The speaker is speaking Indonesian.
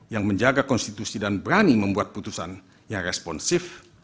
yang menjaga konstitusi dan berani membuat putusan yang responsif